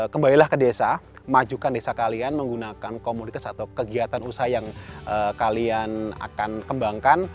kembalilah ke desa majukan desa kalian menggunakan komoditas atau kegiatan usaha yang kalian akan kembangkan